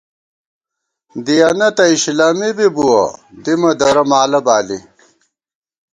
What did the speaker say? دِیَنہ تہ اِشِلَمی بی بُوَہ، دِمہ درہ مالہ بالی